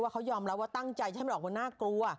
ว่าเขายอมรับว่าตั้งใจใช่ไหมหรอกว่าน่ากลัว